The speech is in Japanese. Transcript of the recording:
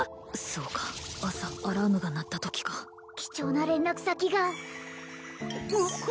そうか朝アラームが鳴ったときか貴重な連絡先がも桃！？